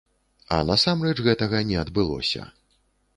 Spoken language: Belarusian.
А насамрэч гэтага не адбылося.